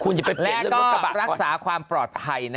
แล้วก็รักษาความปลอดภัยนะ